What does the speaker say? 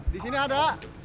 di sini ada